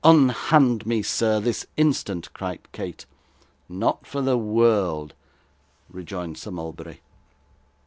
'Unhand me, sir, this instant,' cried Kate. 'Not for the world,' rejoined Sir Mulberry.